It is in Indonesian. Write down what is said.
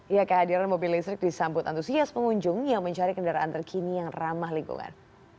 ya kehadiran mobil listrik disambut antusias pengunjung yang mencari kendaraan terkini yang ramah lingkungan